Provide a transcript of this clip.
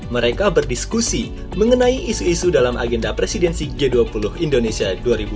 mereka berdiskusi mengenai isu isu dalam agenda presidensi g dua puluh indonesia dua ribu dua puluh